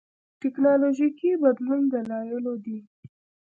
ټېکنالوژيکي بدلون دلایلو دي.